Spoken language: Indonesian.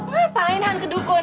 ngapain han ke dukun